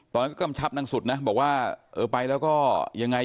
ตอนนั้นก็กำชับนางสุดนะบอกว่าเออไปแล้วก็ยังไง